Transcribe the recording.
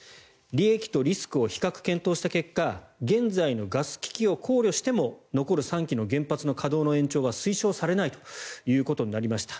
利益とリスクを比較検討した結果現在のガス危機を考慮しても残る３基の原発の稼働の延長は推奨されないということになりました。